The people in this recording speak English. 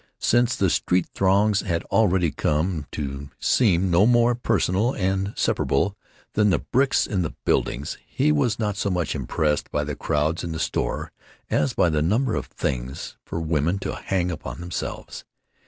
Since the street throngs had already come to seem no more personal and separable than the bricks in the buildings, he was not so much impressed by the crowds in the store as by the number of things for women to hang upon themselves.